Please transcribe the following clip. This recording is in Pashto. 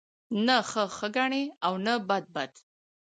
نه ښه ښه گڼي او نه بد بد